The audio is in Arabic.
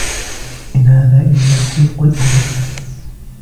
إِنْ هَذَا إِلَّا خُلُقُ الْأَوَّلِينَ